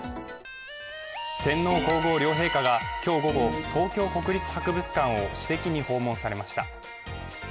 天皇皇后両陛下が今日午後、東京国立博物館を私的に訪問されました。